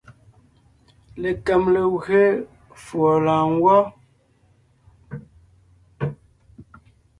Lekem legwé fùɔ lɔ̀ɔngwɔ́.